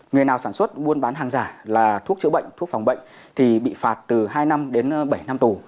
người nào sản xuất buôn bán hàng giả là thuốc chữa bệnh thuốc phòng bệnh thì bị phạt từ hai năm đến bảy năm tù